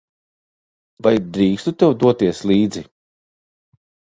Vai drīkstu tev doties līdzi?